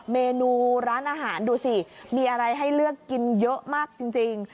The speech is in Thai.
เมนูร้านอาหารดูสิมีอะไรให้เลือกกินเยอะมากจริง